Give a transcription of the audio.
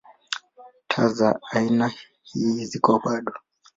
Taa za aina ii ziko bado.